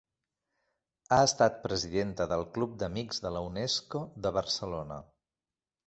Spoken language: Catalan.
Ha estat presidenta del Club d'Amics de la Unesco de Barcelona.